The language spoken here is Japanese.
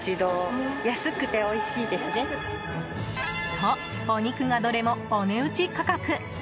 と、お肉がどれもお値打ち価格。